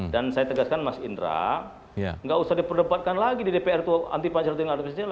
dan saya tegaskan mas indra nggak usah diperdebatkan lagi di dpr antipancar dengan revisi